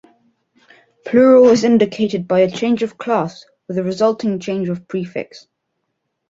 Plural is indicated by a change of class, with a resulting change of prefix.